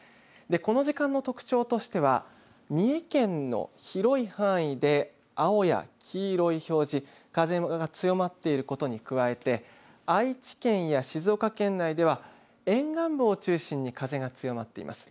この時間の特徴としては三重県の広い範囲で青や黄色い表示風が強まっていることに加えて愛知県や静岡県内では沿岸部を中心に風が強まっています。